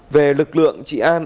về lực lượng trị an